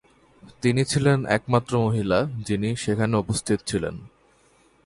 তিনি ছিলেন একমাত্র মহিলা যিনি সেখানে উপস্থিত ছিলেন।